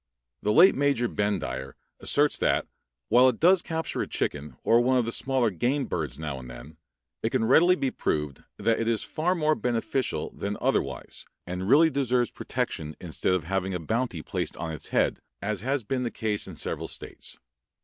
The late Major Bendire asserts that, while it does capture a chicken or one of the smaller game birds now and then, it can readily be proved that it is far more beneficial than otherwise and really deserves protection instead of having a bounty placed on its head, as has been the case in several states.